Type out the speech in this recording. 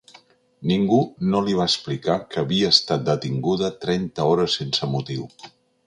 Ningú no li va explicar que havia estat detinguda trenta hores sense motiu.